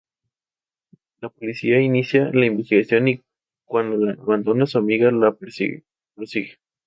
La policía inicia la investigación y, cuando la abandona, su amiga la prosigue.